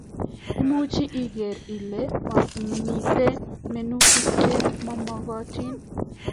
Imuchi iker Ile mitei minutik che momokotin